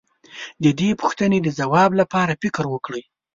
د دې پوښتنې د ځواب لپاره فکر وکړئ.